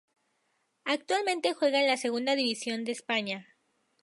Actualmente juega en la Segunda División de España.